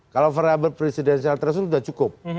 kalau variabel presidenial tersebut sudah cukup